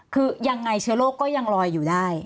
คือยังไงเชื้อโรคก็ยังลอยอยู่ได้